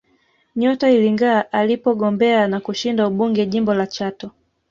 Nyota ilingaa alipogombea na kushinda ubunge jimbo la Chato